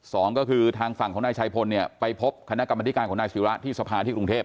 สองก็คือทางฝั่งของนายชัยพลเนี่ยไปพบคณะกรรมธิการของนายศิระที่สภาที่กรุงเทพ